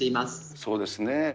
そうですね。